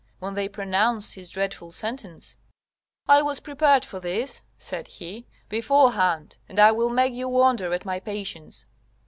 ] when they pronounced his dreadful sentence, "I was prepared for this," said he, "beforehand, and I will make you wonder at my patience."